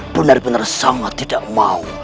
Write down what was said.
benar benar sama tidak mau